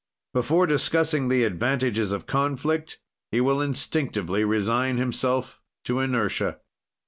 Before discussing the advantages of conflict, he will instinctively resign himself to inertia.